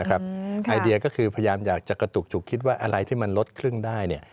ไอเดียก็คือพยายามอยากจะกระตุกจุกคิดว่าอะไรที่มันลดครึ่งได้